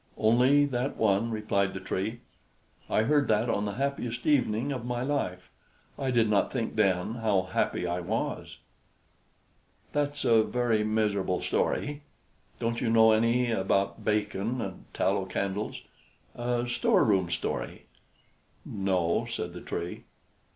"Only that one," replied the Tree. "I heard that on the happiest evening of my life; I did not think then how happy I was." "That's a very miserable story. Don't you know any about bacon and tallow candles a store room story?" "No," said the Tree.